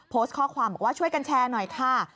โพสต์ข้อความบอกว่าช่วยกันแชร์หน่อยค่ะ